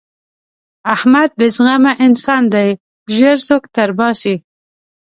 احمد بې زغمه انسان دی؛ ژر سوک تر باسي.